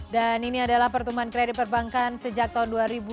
dan ini adalah pertumbuhan kredit perbankan sejak tahun dua ribu dua belas